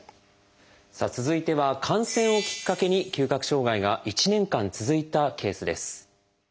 さあ続いては感染をきっかけに嗅覚障害が１年間続いたケースです。